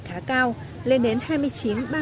khá cao lên đến hai mươi chín